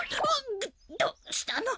どうしたの？